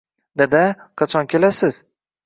Dada, qachon kelasiz